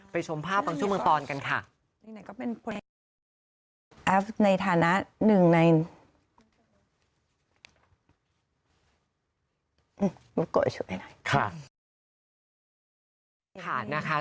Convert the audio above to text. ไปชมภาพช่วงเมืองตอนกันค่ะ